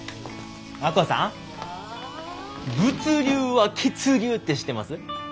亜子さん「物流は血流」って知ってます？